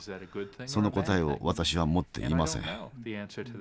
その答えを私は持っていません。